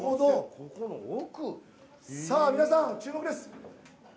皆さん、注目です。